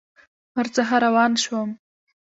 ورڅخه روان شوم.